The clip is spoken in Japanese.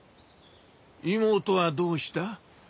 妹はどうした？